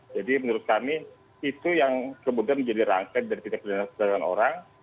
jadi menurut kami itu yang kemudian menjadi rangkaian dari tindak di dalam perlengkapan orang